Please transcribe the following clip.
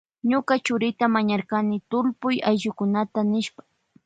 Ñuka churita mañarkani tullpuy ayllukunata nishpa.